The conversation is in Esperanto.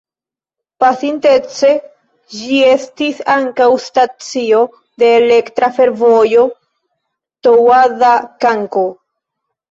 Pasintece ĝi estis ankaŭ stacio de Elektra Fervojo Toŭada-Kanko.